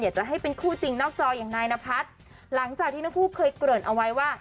จะให้เป็นคู่จริงนอกจออย่างนายนพัฒน์หลังจากที่ทั้งคู่เคยเกริ่นเอาไว้ว่า